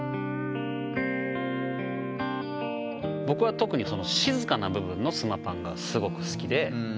僕は特に静かな部分のスマパンがすごく好きで。